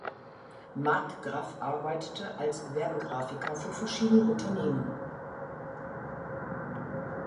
Marggraff arbeitete als Werbegrafiker für verschiedene Unternehmen.